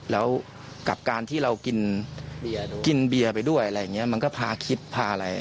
แล้วกับการที่เรากินบีย่าก็ไปด้วยเหมือนก็พาคิดพาอะไร